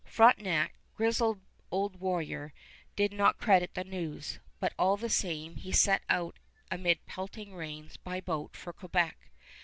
Frontenac, grizzled old warrior, did not credit the news, but, all the same, he set out amid pelting rains by boat for Quebec.